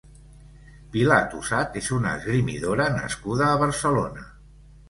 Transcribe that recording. Pilar Tosat és una esgrimidora nascuda a Barcelona.